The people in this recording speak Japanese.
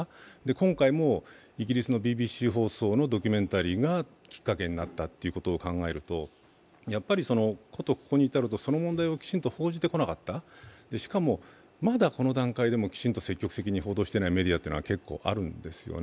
今回もイギリスのＢＢＣ放送のドキュメンタリーがきっかけになったということを考えると、事ここに至ると、その問題をきちんと報じてこなかった、しかも、まだこの段階でもきちんと積極的に報道していないメディアが結構あるんですよね。